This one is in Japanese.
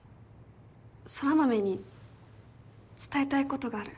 空豆に伝えたいことがある